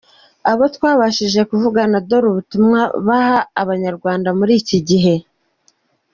Abo twabashije kuvugana dore ubutumwa baha abanyarwanda muri iki gihe :